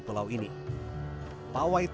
sudah hitam sih dirumah jejok